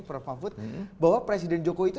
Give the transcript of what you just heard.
prof mahfud bahwa presiden jokowi itu